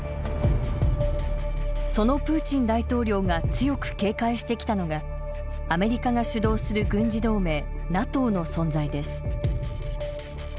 そのプーチン大統領が強く警戒してきたのがアメリカが主導する軍事同盟ＮＡＴＯの存在です。